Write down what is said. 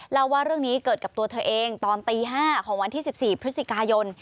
เล่าว่าเรื่องนี้เกิดกับตัวเธอเองตอนตี๕ของวันที่๑๔พฤศจิกายน